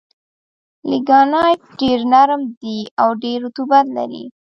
لېګنایټ ډېر نرم دي او ډېر رطوبت لري.